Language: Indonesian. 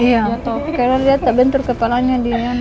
iya karena lihat bentur kepalanya